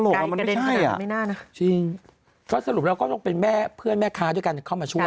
กายกระเด็นขนาดนั้นไม่น่านะจริงก็สรุปแล้วก็เป็นแม่เพื่อนแม่ค้าด้วยกันเข้ามาช่วย